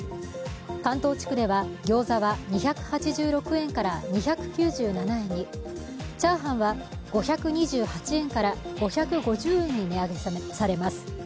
関東地区では、餃子は２８６円から２９７円に、炒飯は５２８円から５５０円に値上げされます。